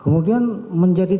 kemudian menjadi tidak